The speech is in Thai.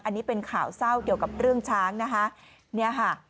อันนี้เป็นข่าวเศร้าเกี่ยวกับเรื่องช้างนะฮะ